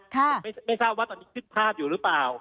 ผมไม่ทราบว่าตอนนี้ขึ้นภาพอยู่หรือเปล่า